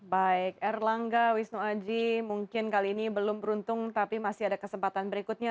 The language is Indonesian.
baik erlangga wisnu aji mungkin kali ini belum beruntung tapi masih ada kesempatan berikutnya